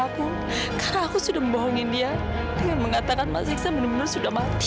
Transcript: aku karena aku sudah membohongi dia dengan mengatakan masih bener bener sudah mati